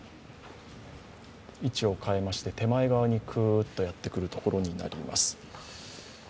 位置を変えまして手前側にクッとやってくるところになります。